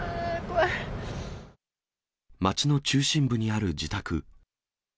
街の中心部にある自宅。